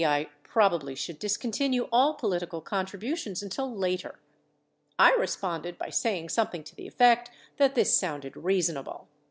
720 probably should discontinue all political contributions until later. I responded by saying something to the effect that this sounded reasonable.